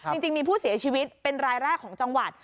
จริงมีผู้เสียชีวิตเป็นรายแรกของจังหวัด